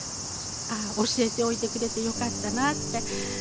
教えておいてくれてよかったなって。